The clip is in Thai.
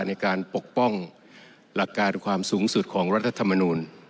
ในการปกป้องหลักการความสูงสุดของรัฐธรรมนูล